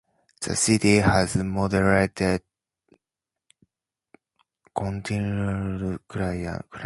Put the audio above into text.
The city has a moderate continental climate.